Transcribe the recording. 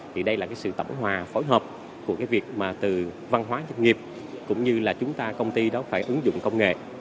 thì đây là cái sự tẩm hòa phối hợp của cái việc mà từ văn hóa doanh nghiệp cũng như là chúng ta công ty đó phải ứng dụng công nghệ